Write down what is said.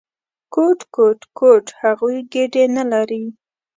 _کوټ، کوټ، کوټ… هغوی ګېډې نه لري!